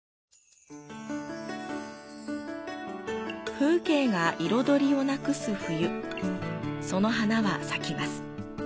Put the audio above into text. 風景が彩りをなくす冬、その花は咲きます。